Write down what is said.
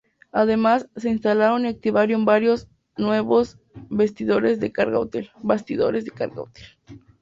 Además, se instalaron y activaron varios nuevos bastidores de carga útil.